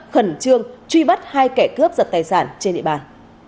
khẩn trương truy bắt hai kẻ cướp giật tài sản trên địa bàn